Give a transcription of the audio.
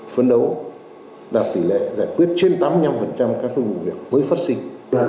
phấn đấu đạt tỷ lệ giải quyết trên tám mươi năm các vụ việc mới phát sinh